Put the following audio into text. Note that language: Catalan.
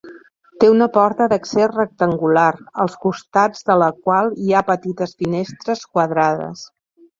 Té una porta d'accés rectangular, als costats de la qual hi ha petites finestres quadrades.